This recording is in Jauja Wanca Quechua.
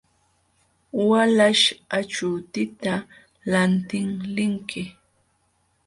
Walaśh, achuutita lantiq linki.